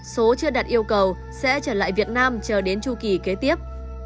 số chưa đạt yêu cầu sẽ trở lại việt nam chờ đến chu kỳ kế tiếp